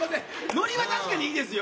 ノリは確かにいいですよ。